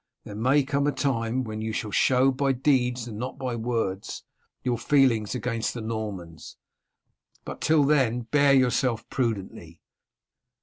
There may come a time when you shall show by deeds and not by words your feelings against the Normans, but till then bear yourself prudently.